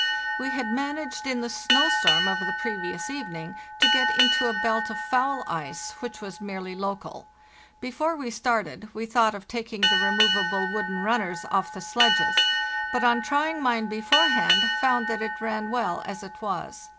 We had managed in the snow storm of the pre vious evening to get into a belt of foul ice, which was merely local. Before we started we thought of taking the removable wooden runners off the sledges, but on trying mine beforehand found that it ran well as it was.